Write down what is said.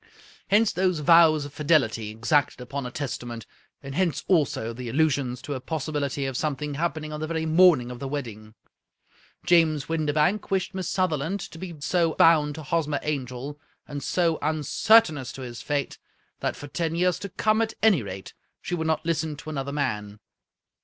Hence those vows of fidelity exacted upon a Testament, and hence also the allusions to a possibility of something happening on th^ very morning of the wedding. James Windibank wished Miss Sutherland to be so bound to Hos mer Angel, and so uncertain as to his fate, that for ten years to come, at any rate, she would not listen to another man.